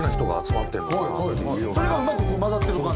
それがうまく混ざってる感じ。